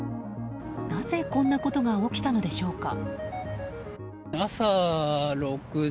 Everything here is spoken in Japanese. なぜこんなことが起きたのでしょうか。